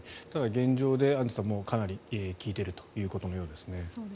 現状でアンジュさんかなり効いているということのようですね。